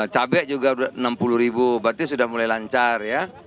cabai juga rp enam puluh berarti sudah mulai lancar